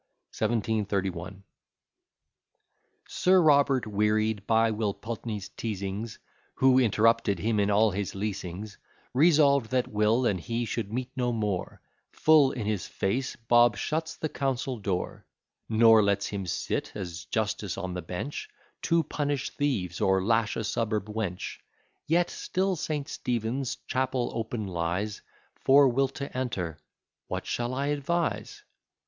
1731 SIR ROBERT, wearied by Will Pulteney's teasings, Who interrupted him in all his leasings, Resolved that Will and he should meet no more, Full in his face Bob shuts the council door; Nor lets him sit as justice on the bench, To punish thieves, or lash a suburb wench. Yet still St. Stephen's chapel open lies For Will to enter What shall I advise?